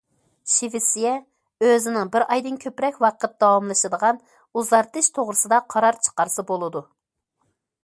شىۋېتسىيە ئۆزىنىڭ بىر ئايدىن كۆپرەك ۋاقىت داۋاملىشىدىغان ئۇزارتىش توغرىسىدا قارار چىقارسا بولىدۇ.